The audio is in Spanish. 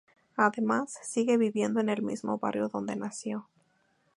Además sigue viviendo en el mismo barrio donde nació.